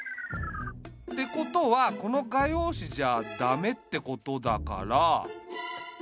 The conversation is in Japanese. ってことはこの画用紙じゃ駄目ってことだから。